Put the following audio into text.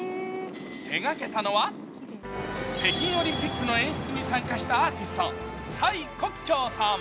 手掛けたのは、北京オリンピックの演出に参加したアーティスト、蔡國強さん。